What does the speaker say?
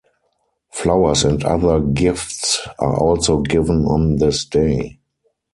Flowers and other gifts are also given on this day.